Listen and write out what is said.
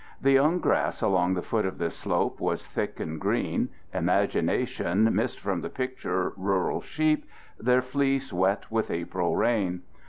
The young grass along the foot of this slope was thick and green; imagination missed from the picture rural sheep, their fleeces wet with April rain.